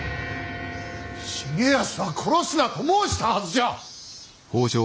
重保は殺すなと申したはずじゃ！